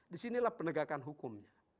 disinilah penegakan hukum